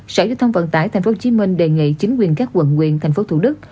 sở giao thông vận tải tp hcm đề nghị chính quyền các quận nguyện tp thủ đức